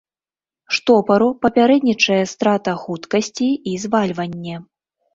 Штопару папярэднічае страта хуткасці і звальванне.